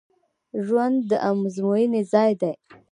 ژوند د ازموینې ځای دی